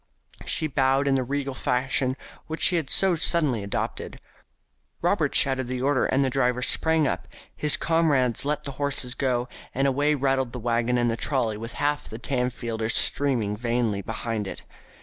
She bowed in the regal fashion which she had so suddenly adopted. Robert shouted the order, the driver sprang up, his comrades let the horses go, and away rattled the waggon and the trolly with half the Tamfielders streaming vainly behind it.